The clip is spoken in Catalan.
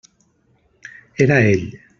Era ell!